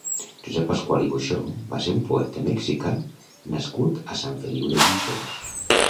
Josep Pascual i Buxó va ser un poeta mexicà nascut a Sant Feliu de Guíxols.